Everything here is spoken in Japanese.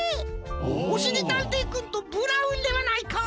おしりたんていくんとブラウンではないか。